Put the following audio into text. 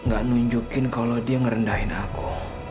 gak nunjukin kalau dia ngerendahin aku